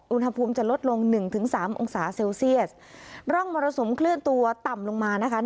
อุณหภูมิจะลดลงหนึ่งถึงสามองศาเซลเซียสร่องมรสุมเคลื่อนตัวต่ำลงมานะคะ